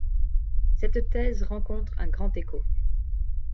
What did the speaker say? Cette thèse rencontre un grand écho.